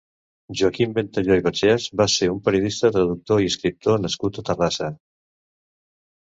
Joaquim Ventalló i Vergés va ser un periodista, traductor i escriptor nascut a Terrassa.